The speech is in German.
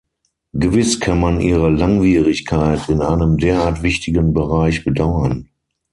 Gewiss kann man ihre Langwierigkeit in einem derart wichtigen Bereich bedauern.